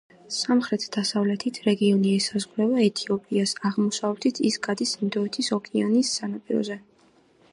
სამხრეთ-დასავლეთით რეგიონი ესაზღვრება ეთიოპიას, აღმოსავლეთით ის გადის ინდოეთის ოკეანის სანაპიროზე.